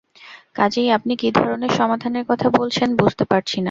কাজেই আপনি কী ধরনের সমাধানের কথা বলছেন বুঝতে পারছি না।